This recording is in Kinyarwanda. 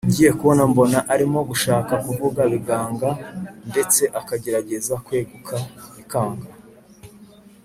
ngiye kubona mbona arimo gushaka kuvuga biganga ndetse akagerageza kweguka bikanga,